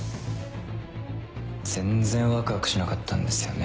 全然ワクワクしなかったんですよね。